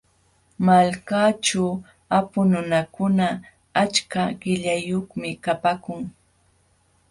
Malkaaćhu apu nunakuna achak qillaniyuqmi kapaakun.